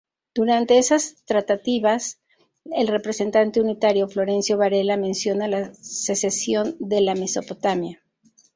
Durante esas tratativas el representante unitario Florencio Varela menciona la secesión de la Mesopotamia.